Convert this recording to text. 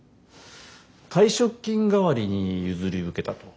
退職金代わりに譲り受けたと。